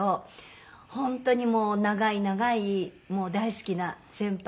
本当にもう長い長い大好きな先輩で。